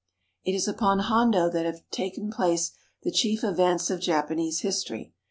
It is upon Hondo that have taken place the chief events of Japanese history.